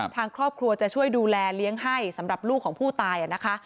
ทางครอบครัวจะช่วยดูแลเลี้ยงให้สำหรับลูกของผู้ตายนะคะ